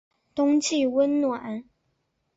冬季温暖。